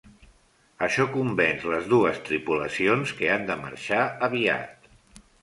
Això convenç les dues tripulacions que han de marxar aviat.